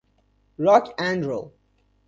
راک اند رول